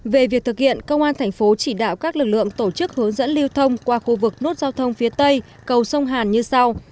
về việc thực hiện công an thành phố chỉ đạo các lực lượng tổ chức hướng dẫn lưu thông qua khu vực nút giao thông phía tây cầu sông hàn như sau